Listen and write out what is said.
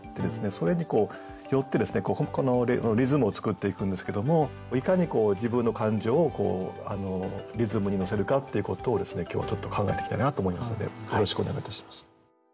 それによってリズムを作っていくんですけどもっていうことを今日はちょっと考えていきたいなと思いますのでよろしくお願いいたします。